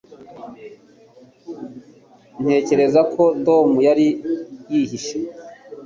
Ntekereza ko Tom yari yihishe